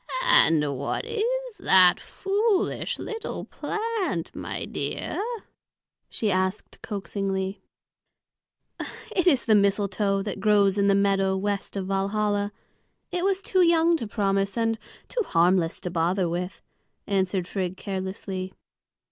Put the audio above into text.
"And what is that foolish little plant, my dear?" she asked coaxingly. "It is the mistletoe that grows in the meadow west of Valhalla. It was too young to promise, and too harmless to bother with," answered Frigg carelessly.